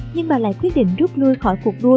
nhưng bà lại quyết định rút lui khỏi cuộc đua